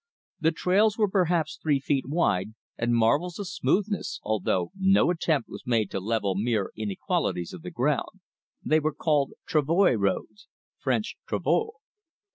The trails were perhaps three feet wide, and marvels of smoothness, although no attempt was made to level mere inequalities of the ground. They were called travoy roads (French "travois").